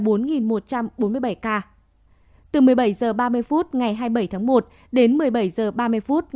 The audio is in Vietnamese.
từ một mươi bảy h ba mươi ngày hai mươi bảy tháng một đến một mươi bảy h ba mươi ngày hai mươi tám tháng một ghi nhận một trăm bốn mươi một ca tử vong